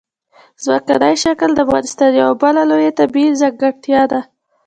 ځمکنی شکل د افغانستان یوه بله لویه طبیعي ځانګړتیا ده.